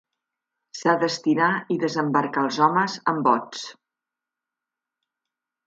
S'ha d'estirar i desembarcar els homes en bots.